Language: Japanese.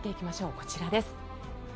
こちらです。